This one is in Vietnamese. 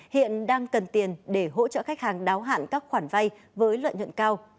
hiện đang cần tiền để hỗ trợ khách hàng đáo hạn các khoản vay với lợi nhuận cao